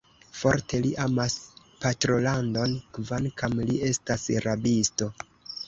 Forte li amas patrolandon, kvankam li estas rabisto.